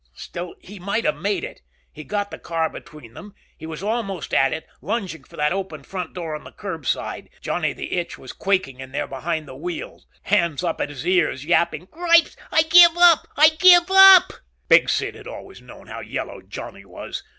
Still, he might have made it. He got the car between them. He was almost at it, lunging for that open front door on the curb side. Johnny the Itch was quaking in there behind the wheel, hands up at his ears, yapping, "Cripes, I give up I give up!" Big Sid had always known how yellow Johnny was.